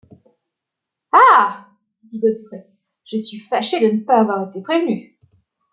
Ah! dit Godfrey, je suis fâché de ne pas avoir été prévenu.